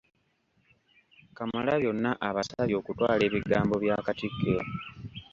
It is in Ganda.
Kamalabyonna abasabye okutwala ebigambo bya Katikkiro.